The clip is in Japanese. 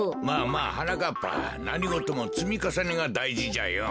はなかっぱなにごともつみかさねがだいじじゃよ。